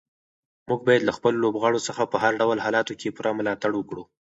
موږ باید له خپلو لوبغاړو څخه په هر ډول حالاتو کې پوره ملاتړ وکړو.